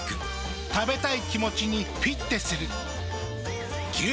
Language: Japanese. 食べたい気持ちにフィッテする。